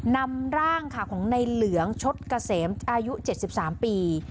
นำร่างค่ะของในเหลืองชดเกษมอายุ๗๓ปี